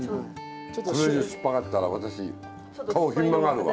これ以上酸っぱかったら私顔ひん曲がるわ。